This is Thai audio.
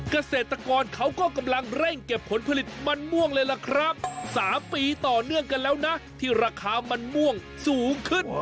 เกษตรกรเขาก็กำลังเร่งเก็บผลผลิตมันม่วงเลยล่ะครับ๓ปีต่อเนื่องกันแล้วนะที่ราคามันม่วงสูงขึ้น